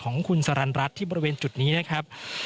ของคุณสรรณรัฐที่บริเวณจุดนี้นะครับ